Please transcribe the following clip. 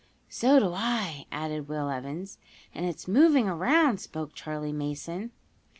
"So do I!" added Will Evans. "And it's moving around," spoke Charley Mason.